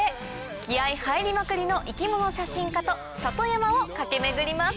気合入りまくりの生き物写真家と里山を駆け巡ります。